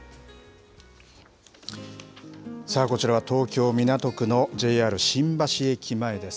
さあ、こちらは東京・港区のＪＲ新橋駅前です。